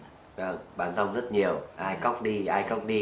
bán rong rất nhiều ai cóc đi ai cóc đi